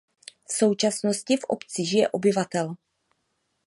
V současnosti v obci žije obyvatel.